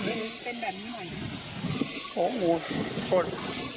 โอ้ค่อนข้างว่าจะโบราณยุ่ง